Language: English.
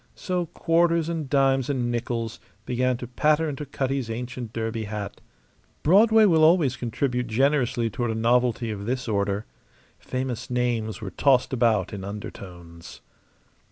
So quarters and dimes and nickels began to patter into Cutty's ancient derby hat. Broadway will always contribute generously toward a novelty of this order. Famous names were tossed about in undertones.